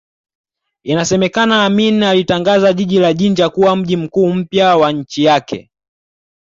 Inasemekana Amin alitangaza jiji la Jinja kuwa mji mkuu mpya wa nchi yake